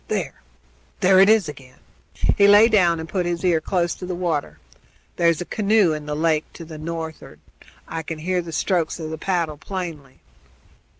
There! there it is again!" He lay down and put his ear close to the water. "There's a canoe in the lake to the north'ard. I can hear the strokes of the paddle plainly."